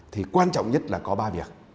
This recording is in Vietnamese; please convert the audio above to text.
thì quan trọng nhất là có ba việc